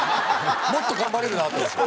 もっと頑張れるなと思いました。